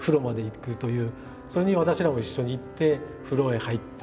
それに私らも一緒に行って風呂へ入って。